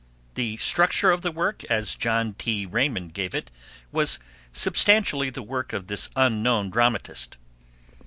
The structure of the play as John T. Raymond gave it was substantially the work of this unknown dramatist.